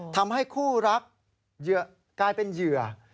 ทำให้คู่รักกลายเป็นเหยื่อ